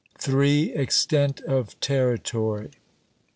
_Extent of Territory.